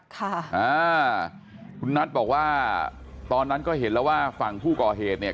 ค่ะอ่าคุณนัทบอกว่าตอนนั้นก็เห็นแล้วว่าฝั่งผู้ก่อเหตุเนี่ย